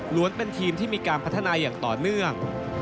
เป็นทีมที่มีการพัฒนาอย่างต่อเนื่อง